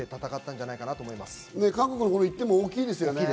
韓国の１点も大きいですよね。